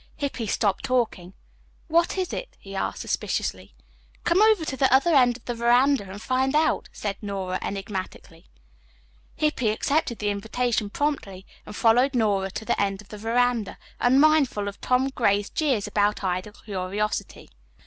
Hippy stopped talking. "What is it?" he asked suspiciously. "Come over to the other end of the veranda and find out," said Nora enigmatically. Hippy accepted the invitation promptly, and followed Nora to the end of the veranda, unmindful of Tom Gray's jeers about idle curiosity.